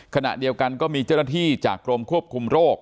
ขณะเดียวกันก็มีเจ้าหน้าที่จากกรมควบคุมโรค